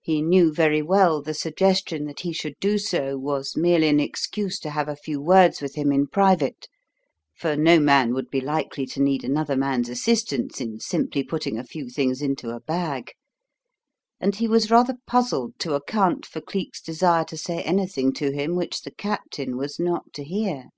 He knew very well the suggestion that he should do so was merely an excuse to have a few words with him in private for no man would be likely to need another man's assistance in simply putting a few things into a bag and he was rather puzzled to account for Cleek's desire to say anything to him which the Captain was not to hear.